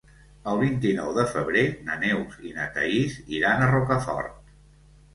El vint-i-nou de febrer na Neus i na Thaís iran a Rocafort.